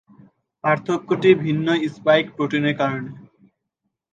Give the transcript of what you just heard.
পার্থক্যটি ভিন্ন স্পাইক প্রোটিনের কারণে।